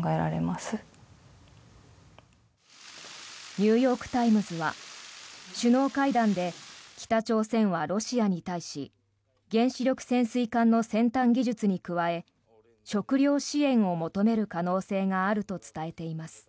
ニューヨーク・タイムズは首脳会談で北朝鮮はロシアに対し原子力潜水艦の先端技術に加え食糧支援を求める可能性があると伝えています。